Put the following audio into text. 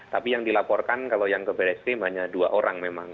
tapi yang dilaporkan kalau yang ke baris krim hanya dua orang memang